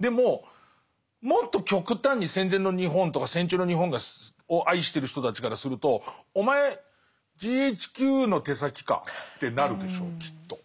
でももっと極端に戦前の日本とか戦中の日本を愛してる人たちからするとお前ＧＨＱの手先か？ってなるでしょうきっと。